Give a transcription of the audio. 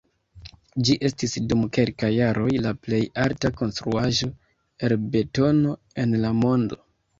Ĝi estis dum kelkaj jaroj la plej alta konstruaĵo el betono en la mondo.